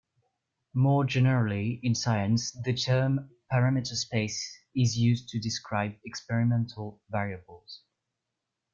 More generally in science, the term parameter space is used to describe experimental variables.